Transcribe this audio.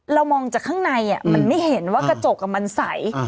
เรามองจากข้างในมันไม่เห็นว่ากระจกมันใส